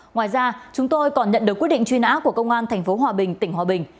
ngoài ra chúng tôi còn nhận được quyết định truy nã của công an tp hòa bình tỉnh hòa bình